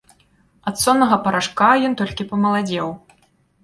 Ад соннага парашка ён толькі памаладзеў.